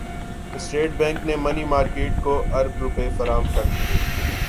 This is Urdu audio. اسٹیٹ بینک نےمنی مارکیٹ کو ارب روپے فراہم کردیے